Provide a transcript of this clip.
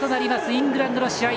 イングランドの試合